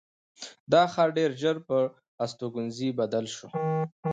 دا ښار ډېر ژر پر استوګنځي بدل شو.